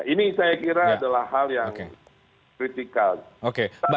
ini saya kira adalah hal yang kritikal